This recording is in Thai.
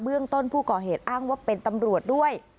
ต้นผู้ก่อเหตุอ้างว่าเป็นตำรวจด้วย